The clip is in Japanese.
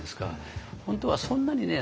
本当はそんなにね